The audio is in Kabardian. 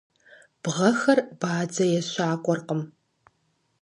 Бгъэхэр бадзэ ещакӏуэркъым.